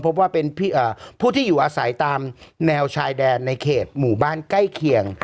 พบว่าเป็นผู้ที่อยู่อาศัยตามแนวชายแดนในเขตหมู่บ้านใกล้เคียง